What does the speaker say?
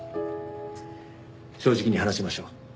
正直に話しましょう。